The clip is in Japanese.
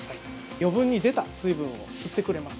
余分に出た水分を吸ってくれます。